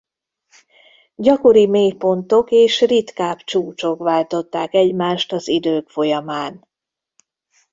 Gyakori mélypontok és ritkább csúcsok váltották egymást az idők folyamán.